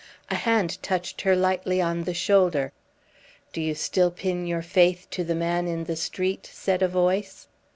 A hand touched her lightly on the shoulder. "Do you still pin your faith to the man in the street?" said a voice.